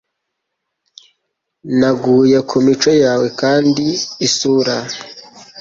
naguye ku mico yawe, kandi isura